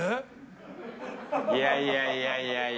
いやいやいやいや。